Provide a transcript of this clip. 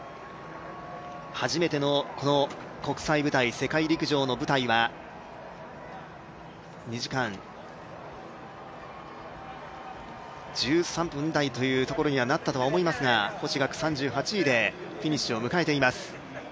初めての国際舞台世界陸上の舞台は、２時間１３分台というところになったとは思いますが星岳、３８位でフィニッシュを迎えています。